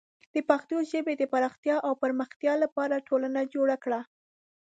د پښتو ژبې د پراختیا او پرمختیا لپاره ټولنه جوړه کړه.